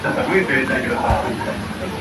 His daughter Nancy married James Hodson.